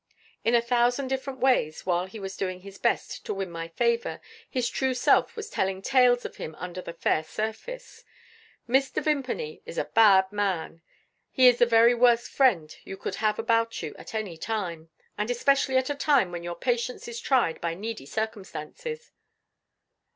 In a thousand different ways, while he was doing his best to win my favour, his true self was telling tales of him under the fair surface. Mr. Vimpany is a bad man. He is the very worst friend you could have about you at any time and especially at a time when your patience is tried by needy circumstances."